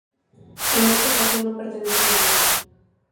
En ese caso, no pertenecen a nadie.